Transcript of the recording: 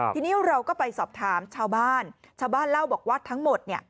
ทีนี้เราก็ไปสอบถามชาวบ้านชาวบ้านเล่าบอกว่าทั้งหมดเนี่ย